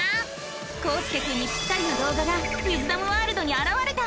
こうすけくんにぴったりの動画がウィズダムワールドにあらわれた！